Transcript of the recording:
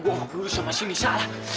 gue nggak peduli sama sini salah